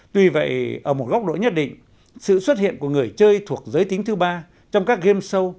tuy vậy ở một góc độ nhất định sự xuất hiện của người chơi thuộc giới tính thứ ba trong các game show